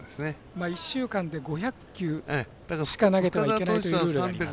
１週間で５００球しか投げてはいけないっていうルールがあります。